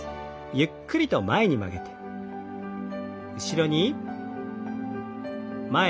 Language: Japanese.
ゆっくりと前に曲げて後ろに。